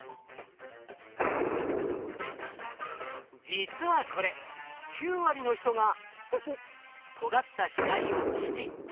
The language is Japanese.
実はこれ９割の人がとがった左をキキ。